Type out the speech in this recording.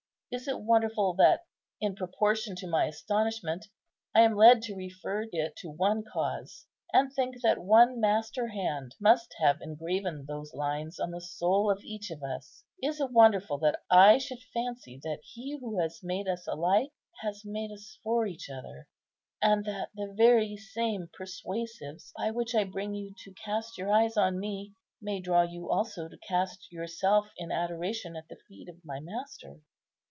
Is it wonderful that, in proportion to my astonishment, I am led to refer it to one cause, and think that one Master Hand must have engraven those lines on the soul of each of us? Is it wonderful that I should fancy that He who has made us alike has made us for each other, and that the very same persuasives by which I bring you to cast your eyes on me, may draw you also to cast yourself in adoration at the feet of my Master?"